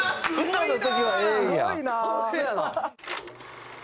歌の時はええんや？